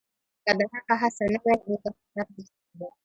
که د هغه هڅه نه وای نو دا کتاب نه چاپېده.